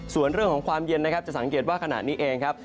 ส่วนเรื่องของความเย็นนะครับจะสังเกตว่าขณะนี้เองครับ